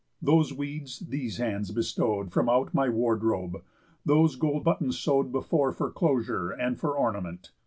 Those weeds these hands bestow'd From out my wardrobe; those gold buttons sew'd Before for closure and for ornament.